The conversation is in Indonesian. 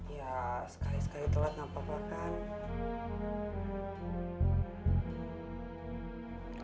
ya sekali sekali telat gak apa apa kan